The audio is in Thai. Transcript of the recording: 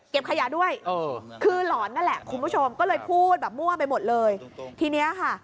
เก็บขยะด้วยก็เหรอนน่ะแหละคุณผู้ชมแบบมั่วไปหมดเลยทีนี้อ่ะค่ะ